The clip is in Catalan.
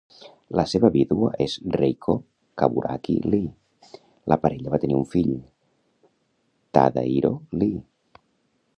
La seva vídua és Reiko Kaburaki Lee. La parella va tenir un fill, Tadahiro Lee.